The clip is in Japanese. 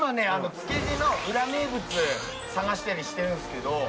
築地の裏名物探したりしてるんですけど。